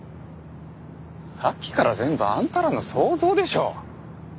さっきから全部あんたらの想像でしょう？